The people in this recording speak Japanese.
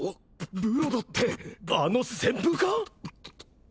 ブロドってあの旋風か！？